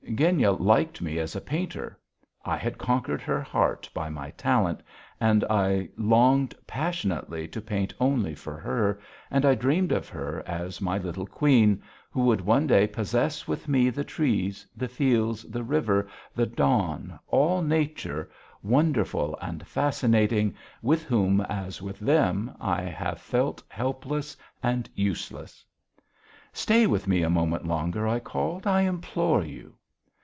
Genya liked me as a painter, I had conquered her heart by my talent, and I longed passionately to paint only for her, and I dreamed of her as my little queen, who would one day possess with me the trees, the fields, the river, the dawn, all Nature, wonderful and fascinating, with whom, as with them, I have felt helpless and useless. "Stay with me a moment longer," I called. "I implore you."